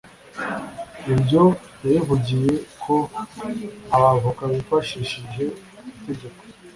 Ibyo yabivugiye ko abavoka bifashishije itegeko